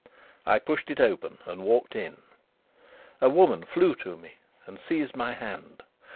I pushed it open and walked in. A woman flew to me and seized my hand.